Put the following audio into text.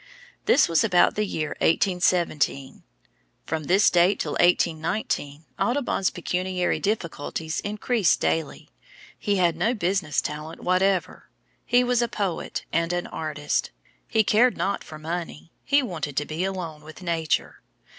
This was about the year 1817. From this date till 1819, Audubon's pecuniary difficulties increased daily. He had no business talent whatever; he was a poet and an artist; he cared not for money, he wanted to be alone with Nature.